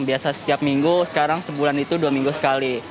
biasa setiap minggu sekarang sebulan itu dua minggu sekali